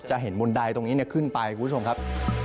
เห็นบนใดตรงนี้ขึ้นไปคุณผู้ชมครับ